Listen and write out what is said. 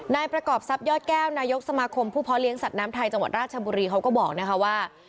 นายประกอบทรัพยอดแก้วนายกสมาคมผู้เพาะเลี้ยสัตว์น้ำไทยจังหวัดราชบุรีเขาก็บอกนะคะว่า